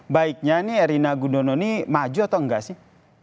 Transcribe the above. baiknya ini erina gudono ini maju atau enggak sih